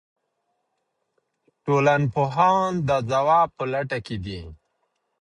ټولنپوهان د ځواب په لټه کې دي.